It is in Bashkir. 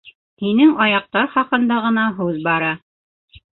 — Һинең аяҡтар хаҡында ғына һүҙ бара.